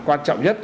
quan trọng nhất